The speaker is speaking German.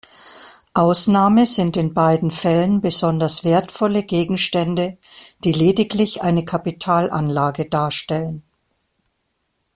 Ausnahme sind in beiden Fällen besonders wertvolle Gegenstände, die lediglich eine Kapitalanlage darstellen.